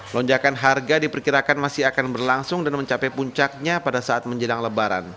lonjakan harga diperkirakan masih akan berlangsung dan mencapai puncaknya pada saat menjelang lebaran